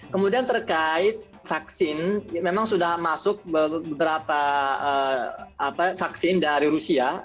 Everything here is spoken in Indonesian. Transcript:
kemudian terkait vaksin memang sudah masuk beberapa vaksin dari rusia